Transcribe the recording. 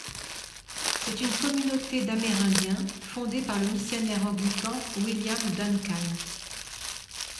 C'est une communauté d'Amérindiens fondée par le missionnaire anglican William Duncan.